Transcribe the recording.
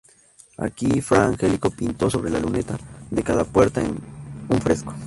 Aquí Fra Angelico pintó sobre la luneta de cada puerta un fresco.